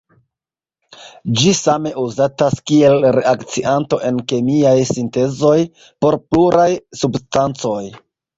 Ĝi same uzatas kiel reakcianto en kemiaj sintezoj por pluraj substancoj.